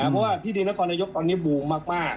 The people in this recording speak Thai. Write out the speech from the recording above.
เปิดเพลงเบานั่งกินกาแฟ